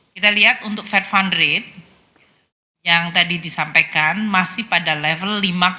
kita lihat untuk fed fund rate yang tadi disampaikan masih pada level lima enam